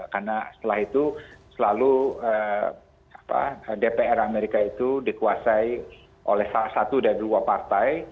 karena setelah itu selalu dpr amerika itu dikuasai oleh salah satu dari dua partai